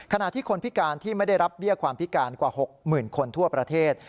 ขณะที่คนพิการที่ไม่ได้รับเบี้ยความพิการกว่า๖๐๐๐คนทั่วประเทศ